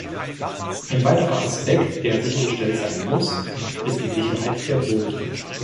Ein weiterer Aspekt, der sichergestellt sein muss, ist die Sicherheit der Boote.